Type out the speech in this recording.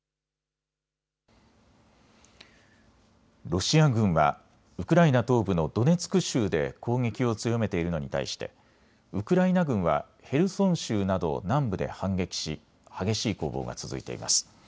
ロシア軍はウクライナ東部のドネツク州で攻撃を強めているのに対してウクライナ軍はヘルソン州など南部で反撃し激しい攻防が続いています。